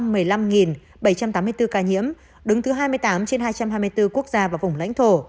việt nam có một triệu một trăm một mươi năm bảy trăm tám mươi bốn ca nhiễm đứng thứ hai mươi tám trên hai trăm hai mươi bốn quốc gia và vùng lãnh thổ